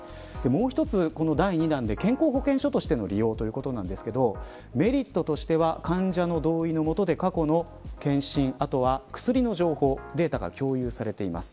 もう一つ、第２弾で健康保険証としての利用ということですがメリットとしては患者の同意の下で過去の健診薬の情報データが共有されています。